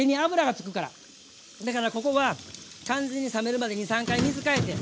だからここは完全に冷めるまで２３回水替えて。